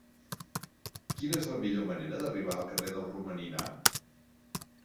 Quina és la millor manera d'arribar al carrer del Romaninar?